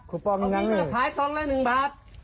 คูปองยังไม่เห็นอันนี้มาขายสองละหนึ่งบาท